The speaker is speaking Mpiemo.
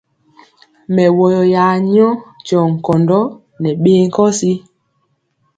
Mɛwɔyɔ ya nyɔ tyɔ nkɔndɔ nɛ ɓee nkɔsi.